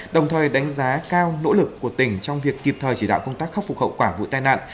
đồng thời đánh giá cao nỗ lực của tỉnh trong việc kịp thời chỉ đạo công tác khắc phục hậu quả vụ tai nạn